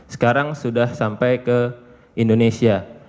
sekarang sudah sampai ke indonesia